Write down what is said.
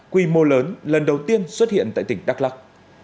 quy mô lớn lần đầu tiên xuất hiện tại tỉnh đắk lắc